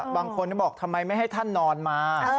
บางคนก็บอกทำไมไม่ให้ท่านนอนมา